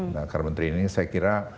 nah carbon trading saya kira